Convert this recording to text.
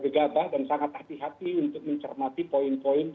gegabah dan sangat hati hati untuk mencermati poin poin